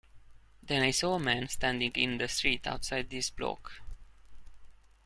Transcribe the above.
Then I saw a man standing in the street outside this block.